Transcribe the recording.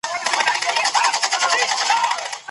د ټایپنګ زده کړې لپاره ځانګړي ټولګي ته اړتیا نسته.